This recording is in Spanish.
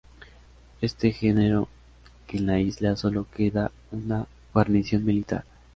Esto generó que en la isla sólo quede una guarnición militar.